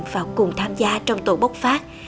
và cùng tham gia trong tổ bốc phát